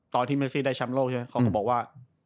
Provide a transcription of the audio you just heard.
ตอนที่เมซี่ได้แชมป์โลกใช่ไหมเขาก็บอกว่า